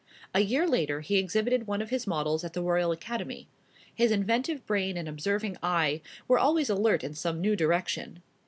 A year later he exhibited one of his models at the Royal Academy. His inventive brain and observing eye were always alert in some new direction.